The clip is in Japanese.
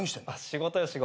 仕事よ仕事。